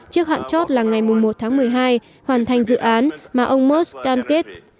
trước hạn chót là ngày một tháng một mươi hai hoàn thành dự án mà ông mus cam kết